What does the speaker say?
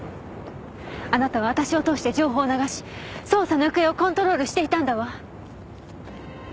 あなたは私を通して情報を流し捜査の行方をコントロールしていたんだわ。